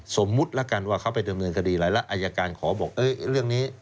สมมุติละกันว่าเขาไปดำเนินกดีหลายละอายาการขอบอกเอ๊ะเรื่องนี้